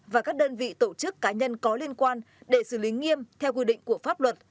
và các đơn vị tổ chức cá nhân có liên quan để xử lý nghiêm theo quy định của pháp luật